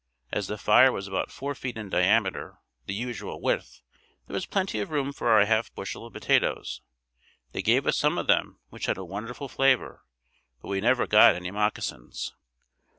As the fire was about four feet in diameter, the usual width, there was plenty of room for our half bushel of potatoes. They gave us some of them which had a wonderful flavor, but we never got any moccasins.